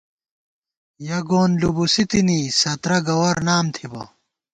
یَہ گون لُبُوسی تِنی ، سترہ گوَر نام تھِبہ